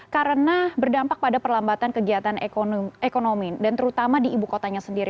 karena berdampak pada perlambatan kegiatan ekonomi dan terutama di ibu kotanya sendiri